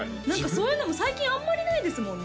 そういうのも最近あんまりないですもんね